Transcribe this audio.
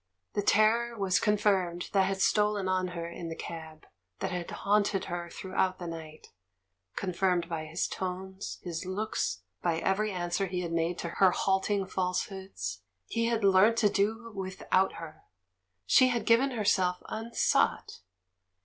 The terror was confirmed that had stolen on her in the cab, that had haunt ed her throughout the night — confirmed by his tones, his looks, by every answer he had made to her halting falsehoods ; he had learnt to do with out her, she had given herself unsought